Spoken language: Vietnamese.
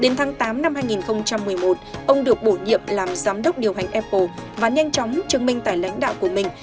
đến tháng tám năm hai nghìn một mươi một ông được bổ nhiệm làm giám đốc điều hành apple và nhanh chóng chứng minh tài lãnh đạo của mình